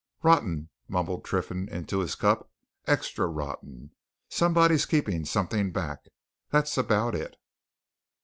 "Rotten!" mumbled Triffitt into his cup. "Extra rotten! Somebody's keeping something back that's about it!"